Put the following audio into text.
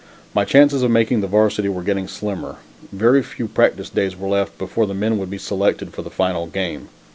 My chances of making the Varsity were getting slimmer. Very few practice days were left before the men would be selected for the final game.